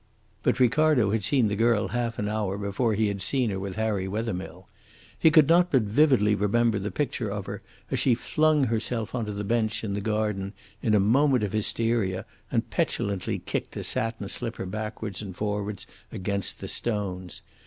But Ricardo had seen the girl half an hour before he had seen her with Harry Wethermill. He could not but vividly remember the picture of her as she flung herself on to the bench in the garden in a moment of hysteria, and petulantly kicked a satin slipper backwards and forwards against the stones.